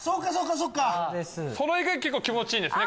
それが結構気持ちいいんですね